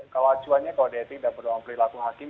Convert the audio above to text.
kalau acuannya kalau di etik dapat doang perilaku hakim